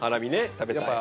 食べたい。